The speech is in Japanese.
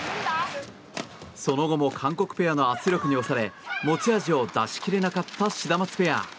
その後も韓国ペアの圧力に押され持ち味を出し切れなかったシダマツペア。